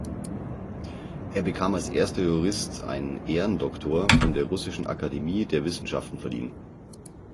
Er bekam als erster Jurist einen Ehrendoktor von der Russischen Akademie der Wissenschaften verliehen.